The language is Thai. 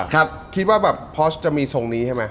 คิดว่าแบบพอสจะมีทรงนี้ใช่ไหม